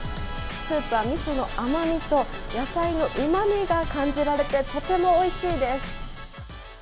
スープは、みその甘みと野菜のうまみが感じられて、とてもおいしいです。